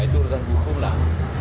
itu urusan hukum lah